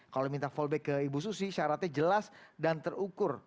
kalau minta fallback ke ibu susi syaratnya jelas dan terukur